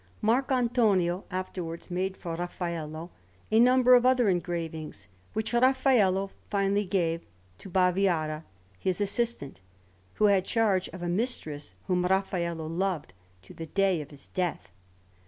Marc' Antonio afterwards made for Raffaello a number of other engravings, which Raffaello finally gave to Baviera, his assistant, who had charge of a mistress whom Raffaello loved to the day of his death.